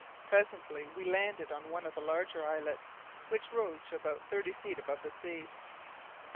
Presently we landed on one of the larger islets which rose to about thirty feet above the sea.